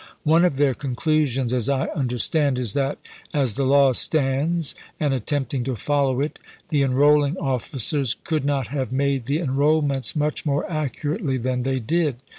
One of their conclusions, as I understand, is that, as the law stands, and attempting to follow it, the enrolling officers could not have made the enrollments much more accurately than they did.